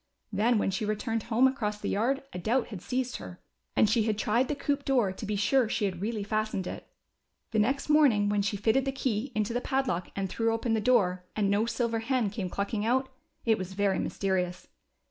Then when she returned home across the yard a doubt had seized her^ and she had tried the coop door to be sure that she had really fastened it. The next morning when she fitted the key into the padlock and threw open the door, and no silver hen came clucking out, it was very mysterious.